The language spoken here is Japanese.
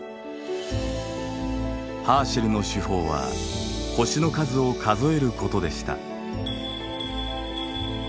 ハーシェルの手法は星の数を数えることでした。